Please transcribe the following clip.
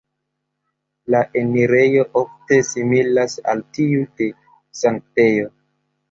La enirejo ofte similas al tiu de sanktejo.